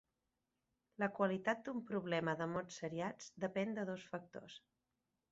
La qualitat d'un problema de mots seriats depèn de dos factors.